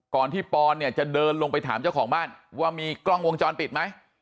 ก่อนที่ปอนเนี่ยจะเดินลงไปถามเจ้าของบ้านว่ามีกล้องวงจรปิดไหม